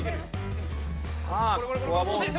さあここはもう。